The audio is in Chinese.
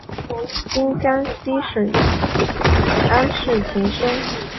今江西省高安市前身。